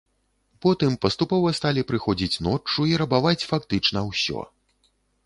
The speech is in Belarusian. Потым паступова сталі прыходзіць ноччу і рабаваць фактычна ўсё.